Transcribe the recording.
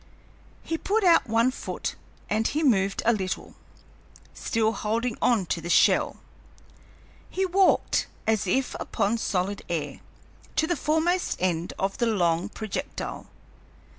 He put out one foot and he moved a little, still holding on to the shell. He walked, as if upon solid air, to the foremost end of the long projectile.